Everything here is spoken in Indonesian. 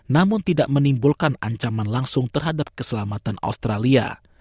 namun tidak menimbulkan ancaman langsung terhadap keselamatan australia